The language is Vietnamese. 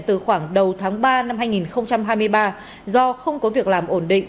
từ khoảng đầu tháng ba năm hai nghìn hai mươi ba do không có việc làm ổn định